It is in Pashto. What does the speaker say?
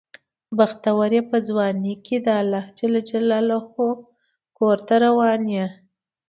بختور یې چې په ځوانۍ کې د خدای کور ته روان یې.